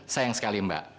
sayang sekali mbak